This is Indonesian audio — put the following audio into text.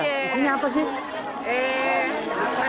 isinya apa sih